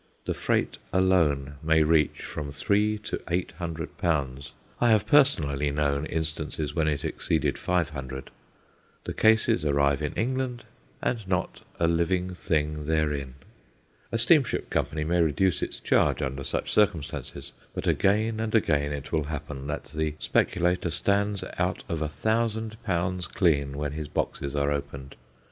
The freight alone may reach from three to eight hundred pounds I have personally known instances when it exceeded five hundred. The cases arrive in England and not a living thing therein! A steamship company may reduce its charge under such circumstances, but again and again it will happen that the speculator stands out of a thousand pounds clean when his boxes are opened.